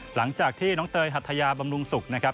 หลังจากที่น้องเตยหัทยาบำรุงศุกร์นะครับ